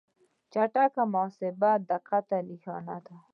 چټک محاسبه د دقت نښه ده.